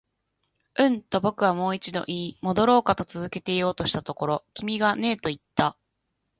うん、と僕はもう一度言い、戻ろうかと続けて言おうとしたところ、君がねえと言った